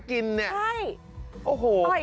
คนเป็นร้อยเลือกต่อยหนูกันเดียว